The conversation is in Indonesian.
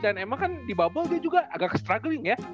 dan emang kan di bubble dia juga agak struggling ya